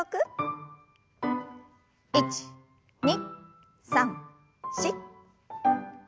１２３４。